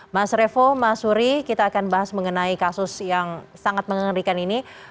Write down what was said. mas revo mas suri kita akan bahas mengenai kasus yang sangat mengerikan ini